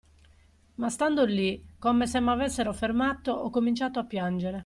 Ma stando lì, come se m'avessero fermato, ho cominciato a piangere.